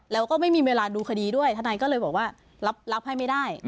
แล้วก็ไม่มีเวลาดูคดีด้วยทนายก็เลยบอกว่ารับให้ไม่ได้